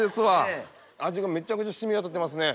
味がめちゃくちゃ染み渡ってますね。